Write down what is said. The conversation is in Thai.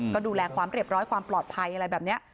ก็ดูแลความเรียบร้อยความปลอดภัยอะไรแบบนี้